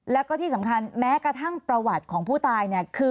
แล้วก็ที่สำคัญแม้กระทั่งประวัติของผู้ตายเนี่ยคือ